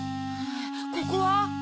ここは？